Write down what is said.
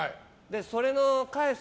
それの返す